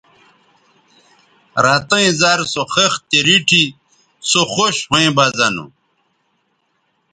رَتیئں زر سو خِختے ریٹھی سو خوش ھویں بہ زہ نو